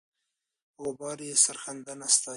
غبار یې سرښندنه ستایي.